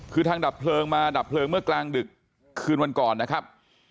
คือทางดับเพลิงมาดับเพลิงเมื่อกลางดึกคืนวันก่อนนะครับ